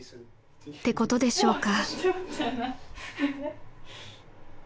［ってことでしょうか］